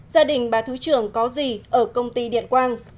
gia đình bà thứ trưởng có gì ở công ty điện quang